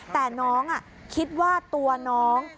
แต่น้องคิดว่าตัวน้อง